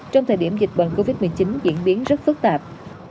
trong thời điểm dịch bệnh covid một mươi chín diễn biến rất phức tạp